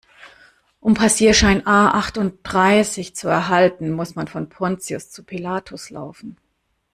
Um Passierschein A-achtunddreißig zu erhalten, muss man von Pontius zu Pilatus laufen.